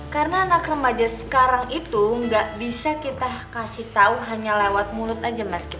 karena anak remaja sekarang itu gak bisa kita kasih tau hanya lewat mulut aja mas